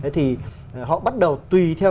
thì họ bắt đầu tùy theo